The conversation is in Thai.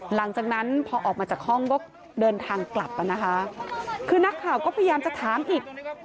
หลังจากนั้นพอออกมาจากห้องก็เดินทางกลับอ่ะนะคะคือนักข่าวก็พยายามจะถามอีก